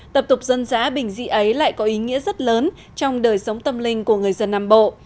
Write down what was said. tập tục dân dã bình dị ấy lại có ý nghĩa rất lớn trong đời sống tâm linh của người dân nam bộ